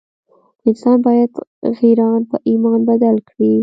انسان باید غیران په ایمان بدل کړي.